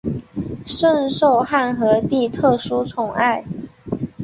甚受汉和帝特殊宠爱。